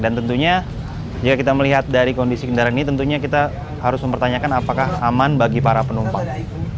dan tentunya jika kita melihat dari kondisi kendaraan ini tentunya kita harus mempertanyakan apakah aman bagi para penumpang